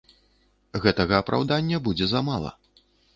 Гэтага апраўдання будзе замала.